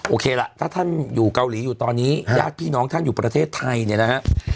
โอเคล่ะถ้าท่านอยู่เกาหลีอยู่ตอนนี้ญาติพี่น้องท่านอยู่ประเทศไทยเนี่ยนะฮะ